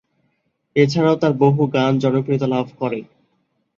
এছাড়াও তার বহু গান জনপ্রিয়তা লাভ করে।